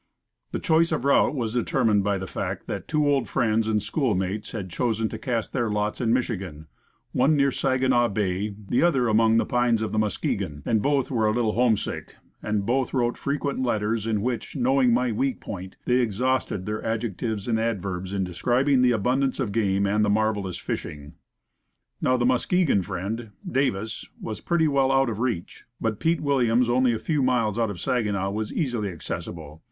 The choice of route was determined by the fact that two old friends and schoolmates had chosen to cast their lots in Michigan, one near Saginaw Bay, the other among the pines of the Muskegon. And both were a little homesick, and both wrote frequent letters, in which, knowing my weak point, they ex hausted their adjectives and adverbs in describing the abundance of game and the marvelous fishing. Now, the Muskegon friend Davis was pretty well out of reach. But Pete Williams, only a few miles out of Saginaw, was easily accessible.